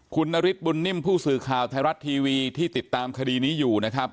คุณนฤทธบุญนิ่มผู้สื่อข่าวไทยรัฐทีวีที่ติดตามคดีนี้อยู่นะครับ